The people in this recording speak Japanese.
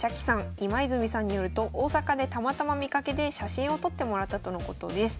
今泉さんによると大阪でたまたま見かけて写真を撮ってもらったとのことです。